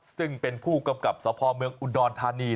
ซึ่งเป็นผู้กำกับสพเมืองอุดรธานี